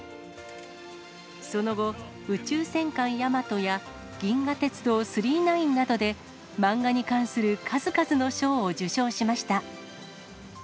その後、宇宙戦艦ヤマトや、銀河鉄道９９９などで、漫画に関する数々の賞を受賞しました。